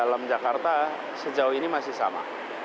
dalam jakarta sejauh ini masih sama